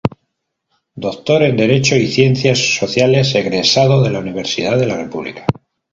Doctor en Derecho y Ciencias Sociales egresado de la Universidad de la República.